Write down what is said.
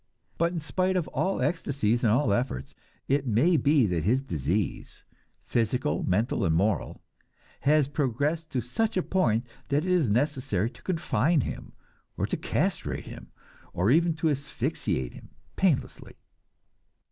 But in spite of all ecstasies and all efforts, it may be that his disease physical, mental and moral has progressed to such a point that it is necessary to confine him, or to castrate him, or even to asphyxiate him painlessly.